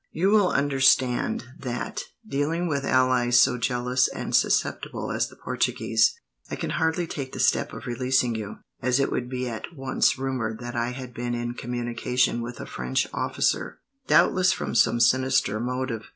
You will understand that, dealing with allies so jealous and susceptible as the Portuguese, I can hardly take the step of releasing you, as it would be at once rumoured that I had been in communication with a French officer, doubtless from some sinister motive.